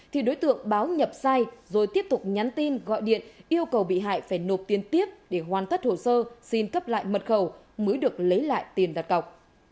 thì đối tượng báo nhập sai rồi tiếp tục nhắn tin gọi điện yêu cầu bị hại phải nộp tiền tiếp để hoàn tất hồ sơ xin cấp lại mật khẩu mới được lấy lại tiền đặt cọc